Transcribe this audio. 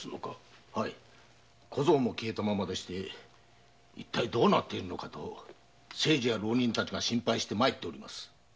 小僧も消えたままでして一体どうなっているのかと清次や浪人たちが心配して。